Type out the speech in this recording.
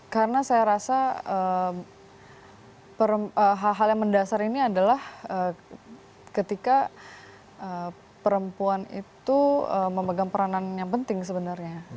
karena saya rasa hal hal yang mendasar ini adalah ketika perempuan itu memegang peranan yang penting sebenarnya